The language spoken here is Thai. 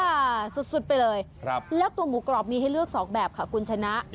สุดไปเลยแล้วตัวหมูกรอบมีให้เลือกสองแบบค่ะคุณชนะ